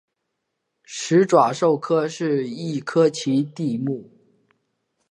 始爪兽科是一科奇蹄目。